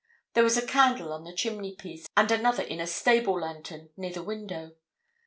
There was a candle on the chimneypiece, and another in a stable lantern near the window.